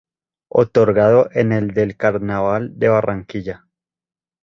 Otorgado en el del Carnaval de Barranquilla.